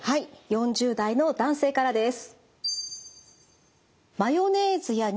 ４０代の男性からです。